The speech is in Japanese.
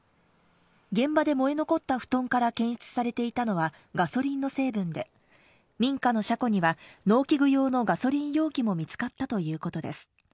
現場で燃え残った布団から検出されていたのはガソリンの成分で、民家の車庫には農機具用のガソリン容器も見つかったということです。